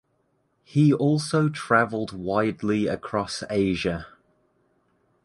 He also traveled widely across Asia.